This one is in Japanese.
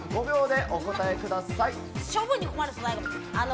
５秒でお答えください。